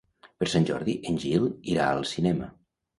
Per Sant Jordi en Gil irà al cinema.